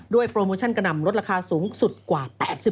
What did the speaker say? โปรโมชั่นกระหน่ำลดราคาสูงสุดกว่า๘๐